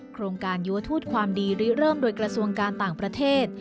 โครงการโยทูตความดีริเริ่มโดยกระทรวงการต่างประเทศ